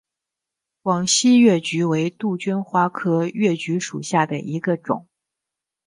广西越桔为杜鹃花科越桔属下的一个种。